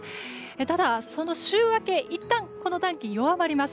ただ、その週明けはいったん暖気は弱まります。